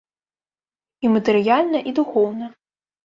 І матэрыяльна, і духоўна.